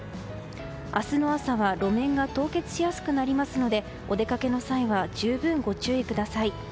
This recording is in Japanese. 明日の朝は路面が凍結しやすくなりますのでお出かけの際は十分ご注意ください。